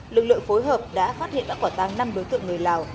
lực lượng phối hợp đã phát hiện bắt quả tăng năm đối tượng người lào